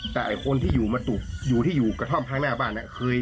แต่คนที่อยู่กระท่อมข้างหน้าบ้าน